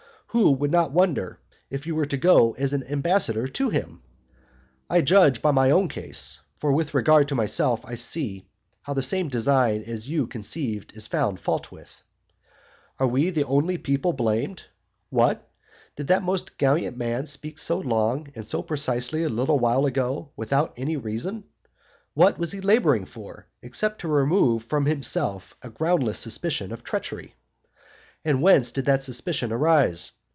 Who would not wonder if you were to go as an ambassador to him? I judge by my own case, for with regard to myself I see how the same design as you conceived is found fault with. And are we the only people blamed? What? did that most gallant man speak so long and so precisely a little while ago without any reason? What was he labouring for, except to remove from himself a groundless suspicion of treachery? And whence did that suspicion arise?